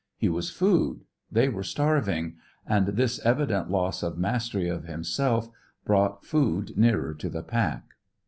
He was food; they were starving; and his evident loss of mastery of himself brought food nearer to the pack.